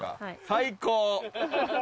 最高！